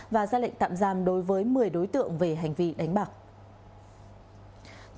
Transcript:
và ra lệnh tạm giam đối với một mươi đối tượng về hành vi đánh bạc